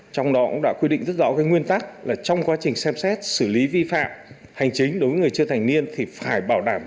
trong đó cũng đã quy định rất rõ cái nguyên tắc là trong quá trình xem xét xử lý vi phạm hành chính đối với người chưa thành niên thì phải bảo đảm